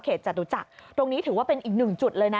เขตจัตุจักรตรงนี้ถือว่าเป็นอีก๑จุดเลยนะ